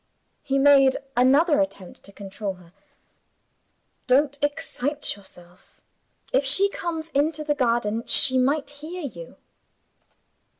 He made another attempt to control her. "Don't excite yourself! If she comes into the garden, she might hear you."